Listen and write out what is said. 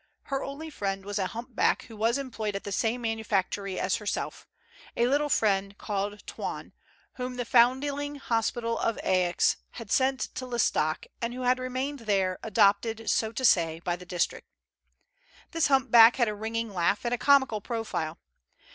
Her only friend was a bump back who was employed at the same manufactory as herself — a little fellow called Toine, whom the Found ling Hospital of Aix bad sent to L'Estaque, and who bad remained there, adopted, so to say, by the district. This humpback had a ringing laugh, and a comical profile.